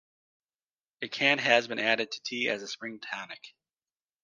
It can has been added to tea as a spring tonic.